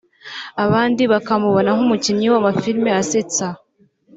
abandi bakamubona nk’umukinnyi w’amafilimi asetsa